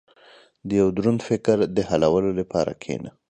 • د یو دروند فکر د حلولو لپاره کښېنه.